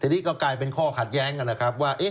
ทีนี้ก็กลายเป็นข้อขัดแย้งกันนะครับว่า